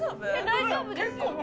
大丈夫ですよ。